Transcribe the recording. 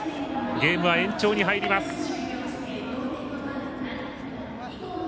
ゲームは延長に入ります。